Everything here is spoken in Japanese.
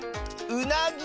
うなぎ！